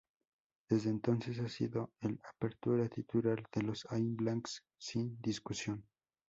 Desde entonces, ha sido el apertura titular de los All Blacks sin discusión.